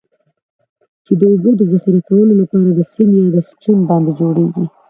چې د اوبو د ذخیره کولو لپاره د سیند یا Stream باندی جوړیږي.